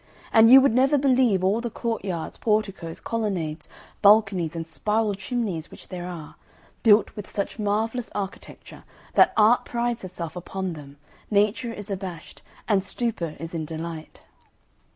And you would never believe all the courtyards, porticoes, colonnades, balconies, and spiral chimneys which there are built with such marvellous architecture that Art prides herself upon them, Nature is abashed, and Stupor is in delight."